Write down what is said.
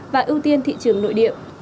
và ưu tiên thị trường nội địa